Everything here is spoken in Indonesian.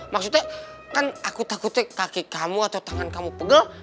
maksudnya kan aku takutnya kaki kamu atau tangan kamu pegel